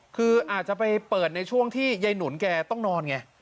คืออาจจะไปเปิดในช่วงที่ยายหนุนแกต้องนอนไง